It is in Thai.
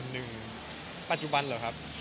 หนึ่งปัจจุบันเหรอครับ